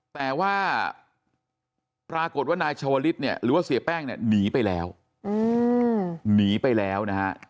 แต่ว่าปรากฏว่านายชวริตน์หรือว่าเสรีอแป้งหนีไปแล้ว